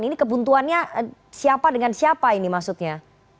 ini kebuntuannya siapa dengan siapa ini maksudnya